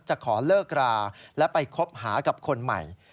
จะขอเลิกราและไปคบหากับคนใหม่